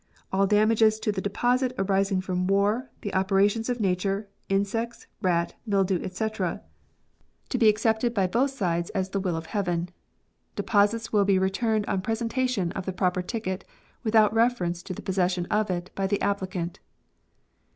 All damages to the deposit arising from war, the operations of nature, insects, rats, mildew, &c„ to be accepted by FA WNBROKERS. 5 7 both sides as the will of Heaven. Deposits will be returned on presentation of the proper ticket with out reference to the possession of it by the appli cant."